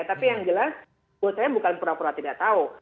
tapi yang jelas buat saya bukan pura pura tidak tahu